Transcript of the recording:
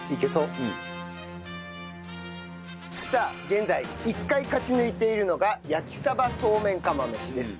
現在１回勝ち抜いているのが焼鯖そうめん釜飯です。